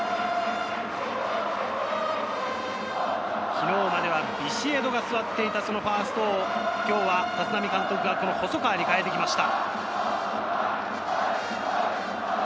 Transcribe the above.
昨日まではビシエドが座っていたファーストを今日は立浪監督がこの細川に代えてきました。